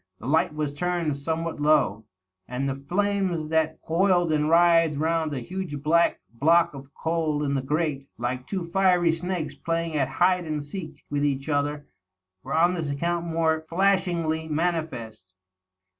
The light was turned somewhat low, and the flames that coiled and writhed round a huge black block of coal in the grate, like two fiery snakes playing at hide and seek with each other, were on this account more fiashingly manifest.